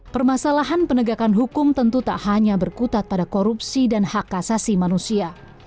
permasalahan penegakan hukum tentu tak hanya berkutat pada korupsi dan hak asasi manusia